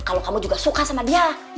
kalau kamu juga suka sama dia